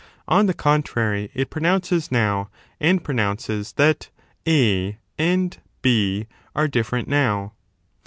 On the contrary, it pronounces now and pronounces that 4 and & are different now).